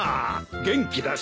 元気だし。